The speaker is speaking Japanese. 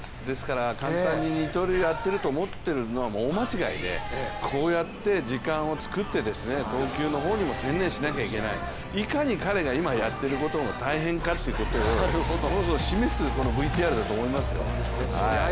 簡単に二刀流をやっていると思うのは大間違いでこうやって時間を作って投球の方にも専念しないといけない、いかに彼がやってることが大変かということを示すＶＴＲだと思いますよ。